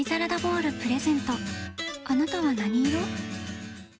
あなたは何色？